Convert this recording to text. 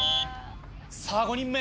さぁ５人目。